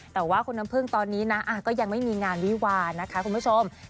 แต่ว่าคุณน้ำพึ่งตอนนี้นะก็ยังไม่มีงานวิวานะคะคุณผู้ชม